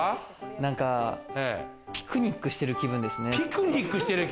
なんかピクニックしてる気分ですね。